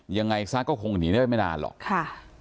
ยังไงซะก็คงหนีได้ไม่นานหรอกค่ะ